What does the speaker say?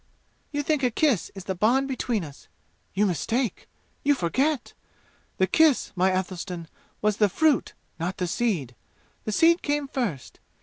"You think a kiss is the bond between us? You mistake! You forget! The kiss, my Athelstan, was the fruit, not the seed! The seed came first!